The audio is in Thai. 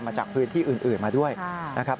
มาจากพื้นที่อื่นมาด้วยนะครับ